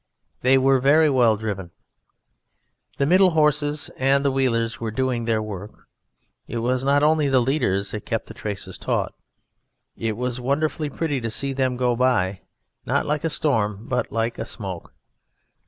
They were very well driven. The middle horses and the wheelers were doing their work: it was not only the leaders that kept the traces taut. It was wonderfully pretty to see them go by: not like a storm but like a smoke.